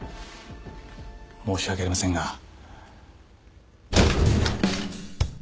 申し訳ありませんが。